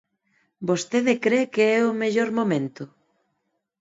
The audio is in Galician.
¿Vostede cre que é o mellor momento?